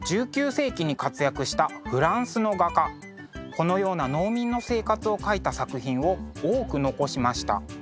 このような農民の生活を描いた作品を多く残しました。